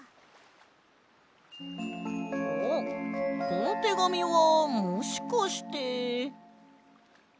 このてがみはもしかして。